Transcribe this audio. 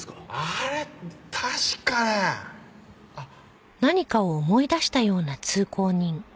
あれは確かねあっ。